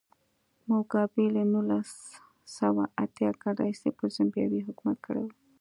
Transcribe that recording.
موګابي له نولس سوه اتیا کال راهیسې پر زیمبابوې حکومت کړی و.